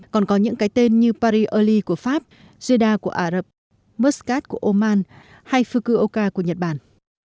còn có những cái tên như paris ali của pháp canada của ả rập muscat của oman hay fukuoka của nhật bản